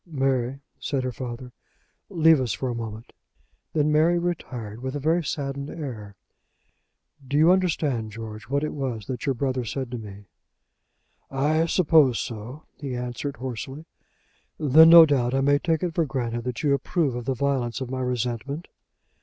"Mary," said her father, "leave us for a moment." Then Mary retired, with a very saddened air. "Do you understand, George, what it was that your brother said to me?" "I suppose so," he answered, hoarsely. "Then, no doubt, I may take it for granted that you approve of the violence of my resentment?